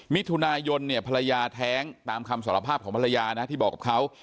มิถุนายนเนี่ยภรรยาแท้งตามคำสารภาพของภรรยานะที่บอกกับเขา